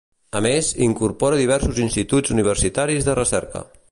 A més, incorpora diversos instituts universitaris de recerca.